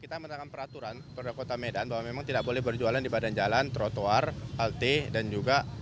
kita menetapkan peraturan perusahaan kota medan bahwa memang tidak boleh berjualan di badan jalan trotoar altih dan juga di atas dinasi